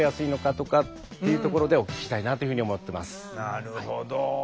なるほど。